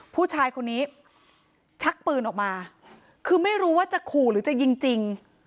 ผู้ชายคนนี้ชักปืนออกมาคือไม่รู้ว่าจะขู่หรือจะยิงจริง